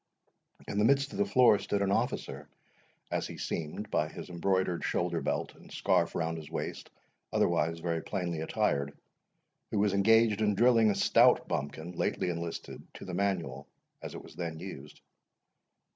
In the midst of the floor stood an officer, as he seemed by his embroidered shoulder belt and scarf round his waist, otherwise very plainly attired, who was engaged in drilling a stout bumpkin, lately enlisted, to the manual, as it was then used.